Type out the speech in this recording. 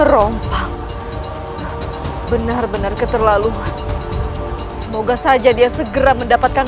rompang benar benar keterlaluan semoga saja dia segera mendapatkan